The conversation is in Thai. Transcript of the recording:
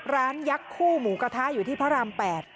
ยักษ์คู่หมูกระทะอยู่ที่พระราม๘